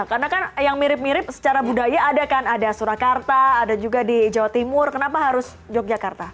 karena kan yang mirip mirip secara budaya ada kan ada surakarta ada juga di jawa timur kenapa harus jogjakarta